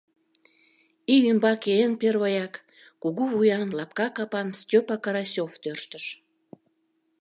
Ий ӱмбаке эн первояк кугу вуян, лапка капан Стёпа Карасёв тӧрштыш.